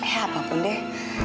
ya apapun deh